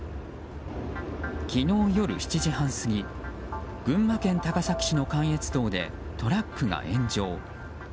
昨日夜７時半過ぎ群馬県高崎市の関越道でトラックが炎上。